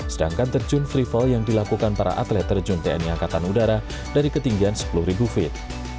sedangkan terjun freefall yang dilakukan para atlet terjun tni angkatan udara dari ketinggian sepuluh feet